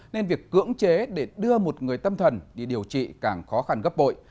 nên việc cưỡng chế để đưa một người tâm thần đi điều trị càng khó khăn gấp bội